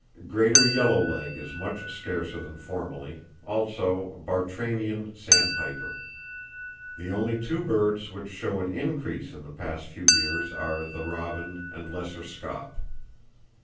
Greater yellow leg is much scarcer than formerly, also Bartramian sandpiper. The only two birds which show an increase in the past few years are the robin and lesser scaup.